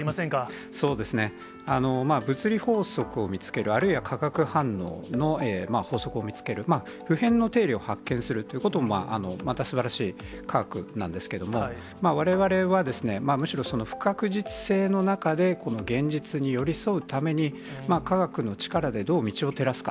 そうですね、物理法則を見つける、あるいは化学反応の法則を見つける、不変の定理を発見するということも、またすばらしい科学なんですけれども、われわれはむしろ不確実性の中でこの現実に寄り添うために、科学の力でどう道を照らすか。